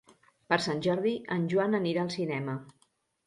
Per Sant Jordi en Joan anirà al cinema.